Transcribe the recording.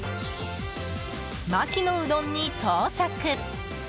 牧のうどんに到着。